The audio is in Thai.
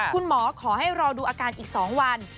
คุณหมอขอให้รอดูอาการอีก๒วัน